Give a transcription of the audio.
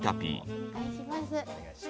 お願いします。